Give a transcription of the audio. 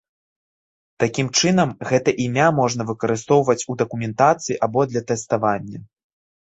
Такім чынам гэта імя можна выкарыстоўваць у дакументацыі або для тэставання.